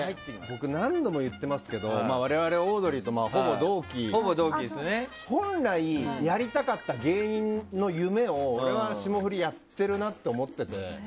僕、何度も言っていますけど我々オードリーとほぼ同期本来やりたかった芸人の夢を俺は、霜降りがやってるなって思っていて。